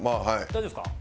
大丈夫ですか？